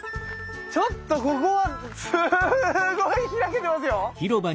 ちょっとここはすごい開けてますよ！